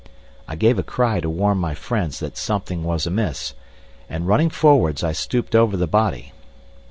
I gave a cry to warn my friends that something was amiss, and running forwards I stooped over the body.